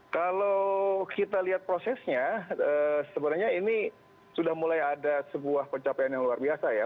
kalau kita lihat prosesnya sebenarnya ini sudah mulai ada sebuah pencapaian yang luar biasa ya